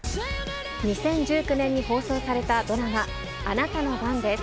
２０１９年に放送されたドラマ、あなたの番です。